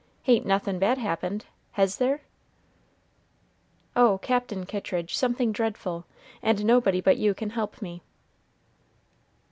"Hain't nothin' bad happened, hes there?" "Oh! Captain Kittridge, something dreadful; and nobody but you can help me."